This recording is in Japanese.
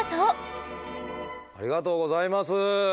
ありがとうございます。